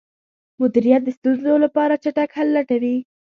مدیریت د ستونزو لپاره چټک حل لټوي.